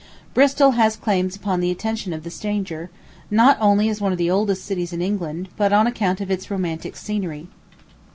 Bristol has claims upon the attention of the stranger, not only as one of the oldest cities in England, but on account of its romantic scenery.